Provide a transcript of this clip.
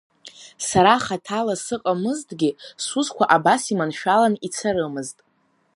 Сара хаҭала сыҟамызҭгьы, сусқәа абас иманшәалан ицарымызт.